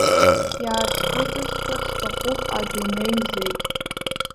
Иаасгәыҵаскыр сҭахуп адунеи зегь.